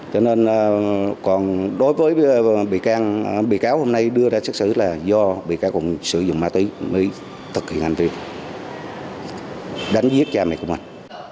cho nên còn đối với bị can bị cáo hôm nay đưa ra sức sử là do bị cáo cũng sử dụng ma túy mới thực hiện hành vi đánh giết cha mẹ của mình